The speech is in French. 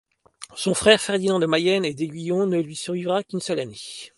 Son frère Ferdinand de Mayenne et d'Aiguillon ne lui survivra qu'une seule année.